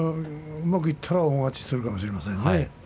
うまくいったら大勝ちするかもしれませんね。